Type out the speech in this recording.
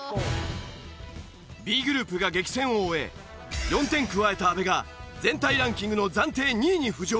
Ｂグループが激戦を終え４点加えた阿部が全体ランキングの暫定２位に浮上。